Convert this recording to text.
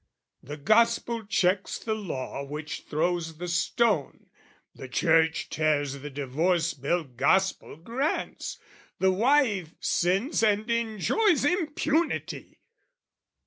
The Gospel checks the Law which throws the stone, The Church tears the divorce bill Gospel grants, The wife sins and enjoys impunity!